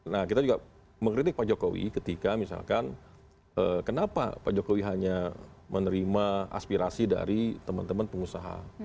nah kita juga mengkritik pak jokowi ketika misalkan kenapa pak jokowi hanya menerima aspirasi dari teman teman pengusaha